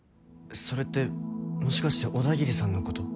それってもしかして小田切さんのこと？